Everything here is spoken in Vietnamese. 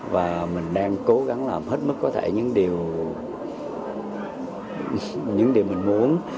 và mình đang cố gắng làm hết mức có thể những điều mình muốn